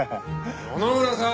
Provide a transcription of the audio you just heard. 野々村さん！